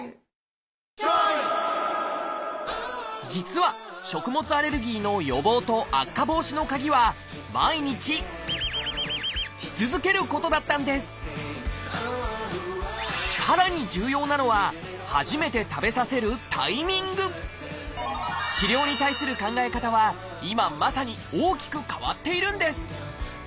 実は食物アレルギーの予防と悪化防止のカギはさらに重要なのは治療に対する考え方は今まさに大きく変わっているんです。